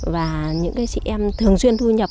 và những chị em thường xuyên thu nhập